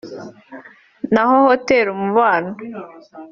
na ho Hotel Umubano